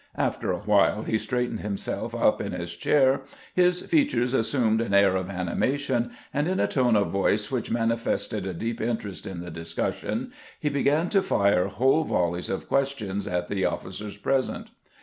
After a "while lie straightened himself up in his chair, his features assumed an air of animation, and in a tone of voice which manifested a deep interest in the discussion, he began to fire whole volleys of questions at the ofii cers present.